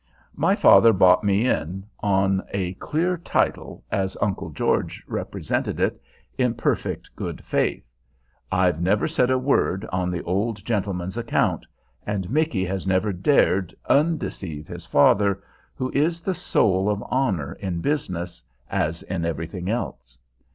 My father bought me in, on a clear title, as Uncle George represented it, in perfect good faith. I've never said a word, on the old gentleman's account; and Micky has never dared undeceive his father, who is the soul of honor in business, as in everything else.